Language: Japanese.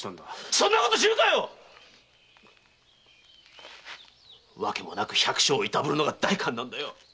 そんなこと知るかよっ‼わけもなく百姓をいたぶるのが代官なんだよ。